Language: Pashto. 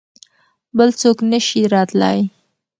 بل څوک نه شي راتلای.